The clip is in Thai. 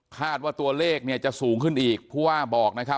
คาดว่าตัวเลขเนี่ยจะสูงขึ้นอีกผู้ว่าบอกนะครับ